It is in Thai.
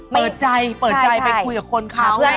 เปิดใจเปิดใจไปคุยกับคนเขา